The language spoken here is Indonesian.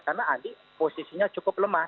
karena andi posisinya cukup lemah